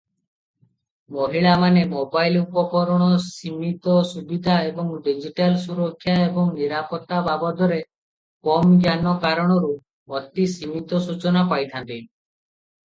ମହିଳାମାନେ ମୋବାଇଲ ଉପକରଣର ସୀମିତ ସୁବିଧା ଏବଂ ଡିଜିଟାଲ ସୁରକ୍ଷା ଏବଂ ନିରାପତ୍ତା ବାବଦରେ କମ ଜ୍ଞାନ କାରଣରୁ ଅତି ସୀମିତ ସୂଚନା ପାଇଥାନ୍ତି ।